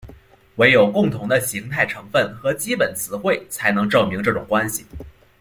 惟有共同的形态成分和基本词汇才能证明这种关系。